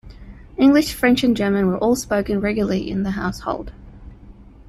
English, French and German were all spoken regularly in the household.